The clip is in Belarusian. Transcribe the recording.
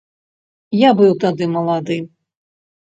Я быў тады малады.